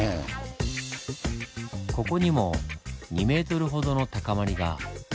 ここにも２ｍほどの高まりが。